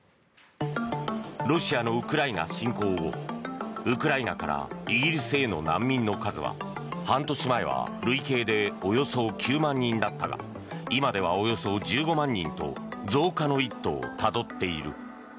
ロシア軍のウクライナ侵攻後ウクライナからイギリスへの難民の数は半年前は累計でおよそ９万人だったが今ではおよそ１５万人と増加の一途をたどっている。